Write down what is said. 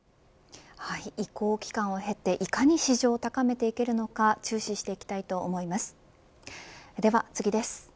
移行期間を経ていかに市場を高めていけるのか注視していきたいと思います。